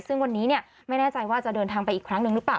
ซึ่งวันนี้ไม่แน่ใจว่าจะเดินทางไปอีกครั้งหนึ่งหรือเปล่า